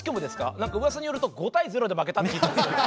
何かうわさによると５対０で負けたって聞いたんですけど。